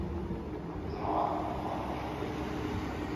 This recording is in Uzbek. Ziroat oralab chopdi.